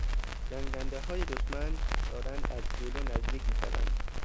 جنگندههای دشمن دارند از جلو نزدیک میشوند.